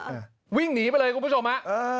อ่ะวิ่งหนีไปเลยคุณผู้ชมฮะเออ